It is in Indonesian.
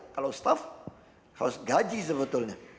kalau staff harus gaji sebetulnya